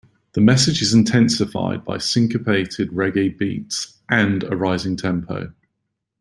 The message is intensified by syncopated Reggae beats, and a rising tempo.